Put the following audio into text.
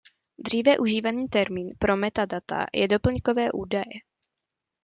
Dříve užívaný termín pro metadata je "doplňkové údaje".